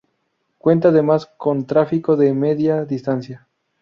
Cuenta además con tráfico de Media Distancia.